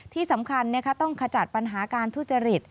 ที่สำคัญต้องขจัดปัญหาการทุจริต